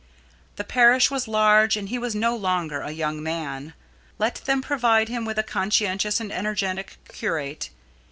The parish was large and he was no longer a young man. Let them provide him with a conscientious and energetic curate.